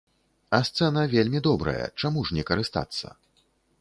А сцэна вельмі добрая, чаму ж не карыстацца?!